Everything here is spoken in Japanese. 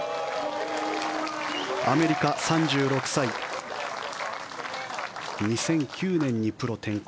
アメリカ、３６歳２００９年にプロ転向。